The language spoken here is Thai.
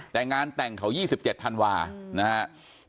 แต่งานแต่งเขา๒๗ธันวานะครับ